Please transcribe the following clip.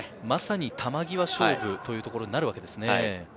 まさに球際勝負というところになるわけですね。